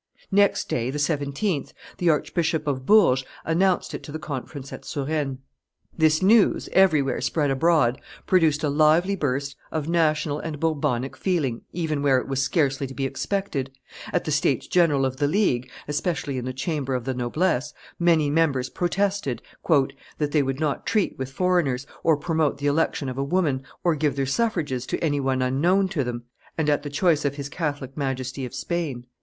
Next day, the 17th, the Archbishop of Bourges announced it to the conference at Suresnes. This news, everywhere spread abroad, produced a lively burst of national and Bourbonic feeling even where it was scarcely to be expected; at the states general of the League, especially in the chamber of the noblesse, many members protested "that they would not treat with foreigners, or promote the election of a woman, or give their suffrages to any one unknown to them, and at the choice of his Catholic Majesty of Spain."